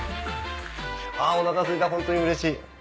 おなかすいたホントにうれしい。